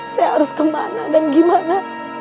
saya harus kemana dan gimana